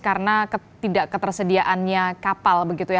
karena tidak ketersediaannya kapal begitu ya